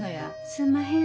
すんまへん。